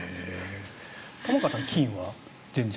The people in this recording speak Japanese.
玉川さん、金は全然？